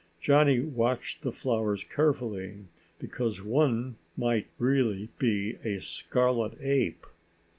Johnny watched the flowers carefully because one might really be a scarlet ape.